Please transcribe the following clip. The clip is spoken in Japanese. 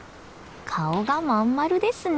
顔が真ん丸ですね。